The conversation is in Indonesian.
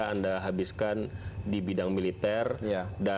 kenapa sih apa yang lebih dari anda